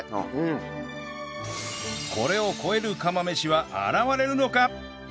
これを超える釜飯は現れるのか？